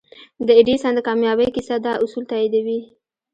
د ايډېسن د کاميابۍ کيسه دا اصول تاييدوي.